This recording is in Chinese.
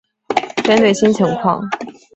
针对新情况